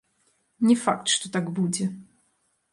Не факт, што так будзе.